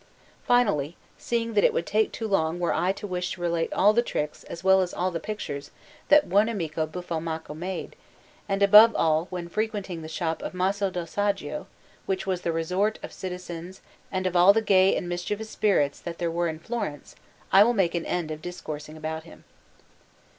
Finally, seeing that it would take too long were I to wish to relate all the tricks, as well as all the pictures, that Buonamico Buffalmacco made, and above all when frequenting the shop of Maso del Saggio, which was the resort of citizens and of all the gay and mischievous spirits that there were in Florence, I will make an end of discoursing about him.